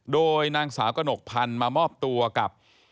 โดยนางสาวกระหนกพันธุ์มามอบตัวกับ